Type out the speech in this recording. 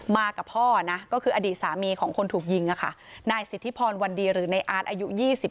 มากับพ่อนะก็คืออดีตสามีของคนถูกยิงนายสิทธิพรวันดีหรือในอาร์ตอายุ๒๓